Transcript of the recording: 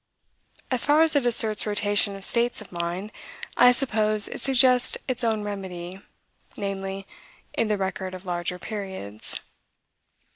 As far as it asserts rotation of states of mind, I suppose it suggests its own remedy, namely, in the record of larger periods.